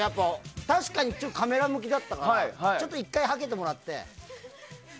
確かに、カメラ向きだったから１回はけてもらって。